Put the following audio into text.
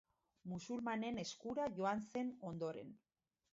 Musulmanen eskura joan zen ondoren.